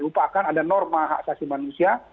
lupakan ada norma hak asasi manusia